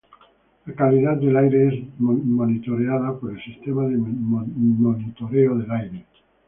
La calidad del aire es monitoreada por el Sistema de Monitoreo del Aire.